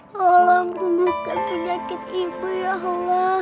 tolong pelukan penyakit ibu ya allah